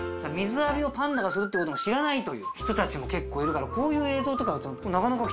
水浴びをパンダがするってこと知らないという人たちも結構いるからこういう映像とかだと。